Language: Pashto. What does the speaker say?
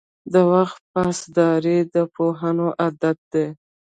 • د وخت پاسداري د پوهانو عادت دی.